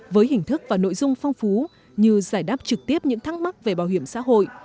với hình thức và nội dung phong phú như giải đáp trực tiếp những thắc mắc về bảo hiểm xã hội